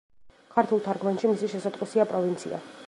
ქართულ თარგმანში მისი შესატყვისია პროვინცია.